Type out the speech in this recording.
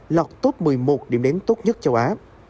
lọt top một mươi một điểm đến tốt nhất châu á